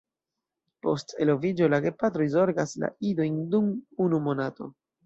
Post eloviĝo la gepatroj zorgas la idojn dum unu monato.